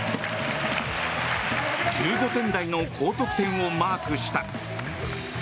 １５点台の高得点をマークした。